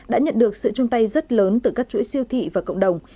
đã nhận được sự chung tay rất lớn từ các chuỗi siêu thị và cộng đồng